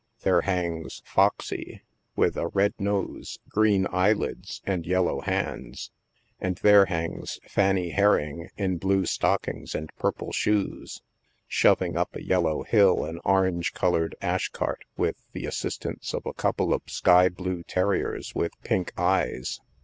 There hangs " Fox ey" with a red nose, green eyelids and yellow hands ; and there hangs Fannie Herring in blue stockings and purple shoes — shoving up a yellow hill an orange colored ash cart with the as sistance of a couple of sky blue terriers with pink eyes.